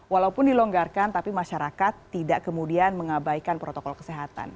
walaupun dilonggarkan tapi masyarakat tidak kemudian mengabaikan protokol kesehatan